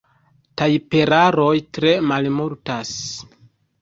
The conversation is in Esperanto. Tajperaroj tre malmultas.